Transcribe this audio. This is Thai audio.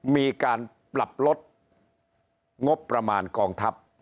มีการปรับลดงบประมาณกองทัพ